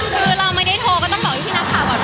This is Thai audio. คือเราไม่ได้โทรก็ต้องบอกพี่นักข่าวก่อน